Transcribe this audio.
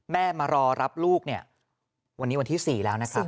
มารอรับลูกเนี่ยวันนี้วันที่๔แล้วนะครับ